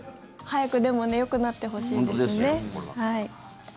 早く、でもねよくなってほしいですよね。